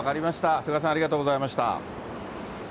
長谷川さんありがとうございました。